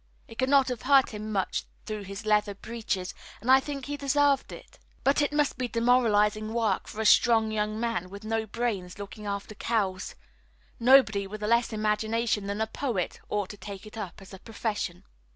It could not have hurt him much through his leather breeches, and I think he deserved it; but it must be demoralising work for a strong young man with no brains looking after cows. Nobody with less imagination than a poet ought to take it up as a profession.